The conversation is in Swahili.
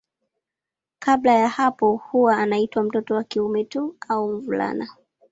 Kabla ya hapo huwa anaitwa mtoto wa kiume tu au mvulana.